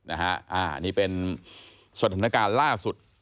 อันนี้เป็นสถานการณ์ล่าสุด